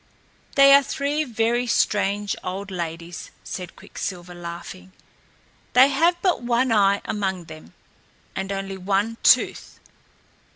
"They are three very strange old ladies," said Quicksilver, laughing. "They have but one eye among them, and only one tooth.